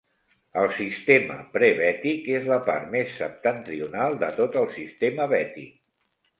El sistema Prebètic és la part més septentrional de tot el sistema Bètic.